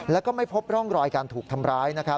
แล้วก็ไม่พบร่องรอยการถูกทำร้าย